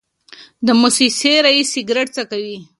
د موسسې رییس سګرټ څکوي.